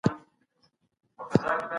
ولسمشر صادراتي توکي نه منع کوي.